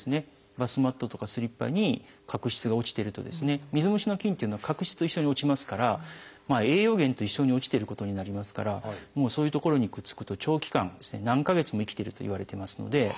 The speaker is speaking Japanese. バスマットとかスリッパに角質が落ちてると水虫の菌というのは角質と一緒に落ちますから栄養源と一緒に落ちてることになりますからそういう所にくっつくと長期間何か月も生きてるといわれてますので。